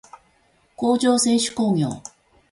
工場制手工業